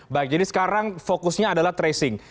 baik jadi sekarang fokusnya adalah tracing